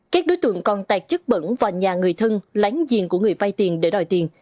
các đối tượng còn tạt chất bẩn vào nhà người thân lánh diện của người vây tiền để đòi tiền